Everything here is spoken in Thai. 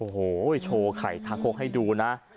โหโน้นโชว์ไข่ทเอาก่นมาให้ดูนะ